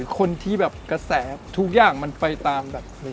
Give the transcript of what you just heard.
คนที่แบบกระแสทุกอย่างมันไปตามแบบเพลง